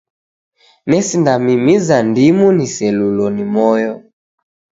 Nesindamimiza ndimu niselulo ni moyo.